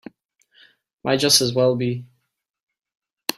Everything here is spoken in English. Might just as well be.